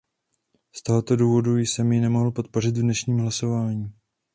Z tohoto důvodu jsem ji nemohl podpořit v dnešním hlasování.